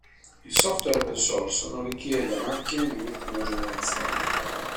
Il software open source non richieda macchine di ultima generazione.